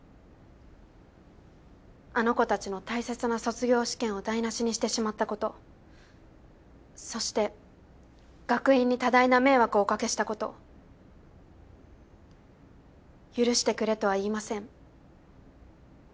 あの子たちの大切な卒業試験を台なしにしてしまったことそして学院に多大な迷惑をおかけしたこと許してくれとは言いません。